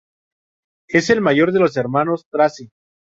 Es el mayor de los hermanos Tracy.